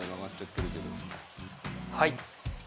はい。